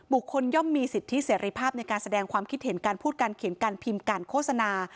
ย่อมมีสิทธิเสรีภาพในการแสดงความคิดเห็นการพูดการเขียนการพิมพ์การโฆษณา